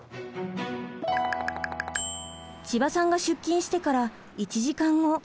千葉さんが出勤してから１時間後。